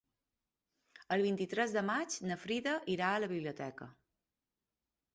El vint-i-tres de maig na Frida irà a la biblioteca.